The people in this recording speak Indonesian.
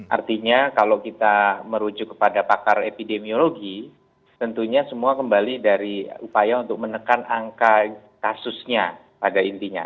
artinya kalau kita merujuk kepada pakar epidemiologi tentunya semua kembali dari upaya untuk menekan angka kasusnya pada intinya